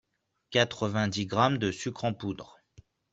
quatre-vingt dix grammes de sucre en poudre